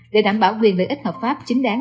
để đảm bảo quyền lợi ích hợp pháp chính đáng